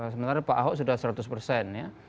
sementara pak ahok sudah seratus persen ya